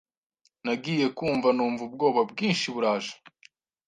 nagiye kumva numva ubwoba bwinshi buraje